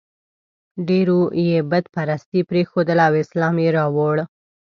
ډېرو یې بت پرستي پرېښودله او اسلام یې راوړ.